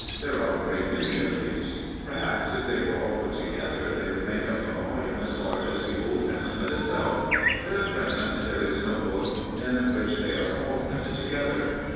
There are a great many of these: perhaps, if they were all put together, they would make up a volume as large as the Old Testament itself; but at present there is no book in which they are all printed together.